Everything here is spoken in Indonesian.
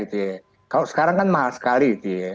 kalau sekarang kan mahal sekali